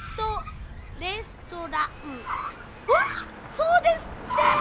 そうですって！